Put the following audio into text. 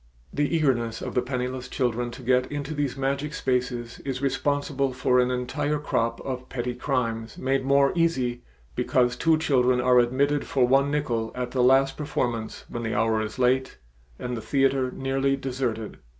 The eagerness of the penniless children to get into these magic spaces is responsible for an entire crop of petty crimes made more easy because two children are admitted for one nickel at the last performance when the hour is late and the theater nearly deserted.